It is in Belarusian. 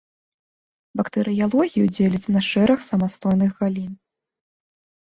Бактэрыялогію дзеляць на шэраг самастойных галін.